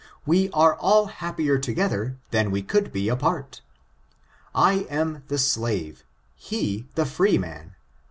We are all happier together than we ooold be apart. I am the slave, he the freeman.